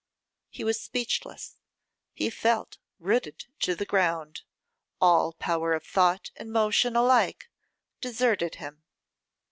He was speechless; he felt rooted to the ground; all power of thought and motion alike deserted him.